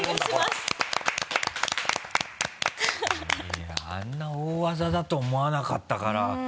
いやっあんな大技だと思わなかったから。